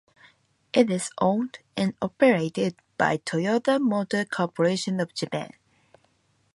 It is owned and operated by Toyota Motor Corporation of Japan.